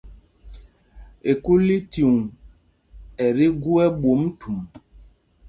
Ekúlícuŋ ɛ tí gú ɛ́ɓwôm thûm.